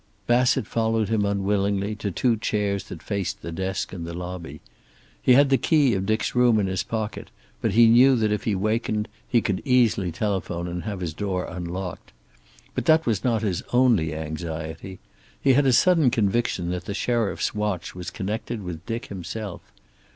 Bassett followed him unwillingly to two chairs that faced the desk and the lobby. He had the key of Dick's room in his pocket, but he knew that if he wakened he could easily telephone and have his door unlocked. But that was not his only anxiety. He had a sudden conviction that the sheriff's watch was connected with Dick himself.